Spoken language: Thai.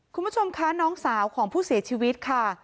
คุณผู้ชมคะน้องสาวของผู้เสียชีวิตค่ะ